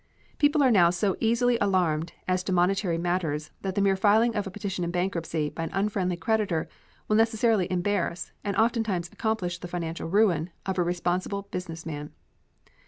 People are now so easily alarmed as to monetary matters that the mere filing of a petition in bankruptcy by an unfriendly creditor will necessarily embarrass, and oftentimes accomplish the financial ruin, of a responsible business man.